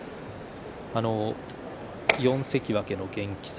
４関脇の元気さ